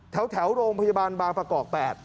แถวโรงพยาบาลบางประกอบ๘